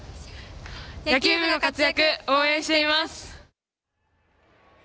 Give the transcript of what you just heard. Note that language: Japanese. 野球部の活躍、応援しています。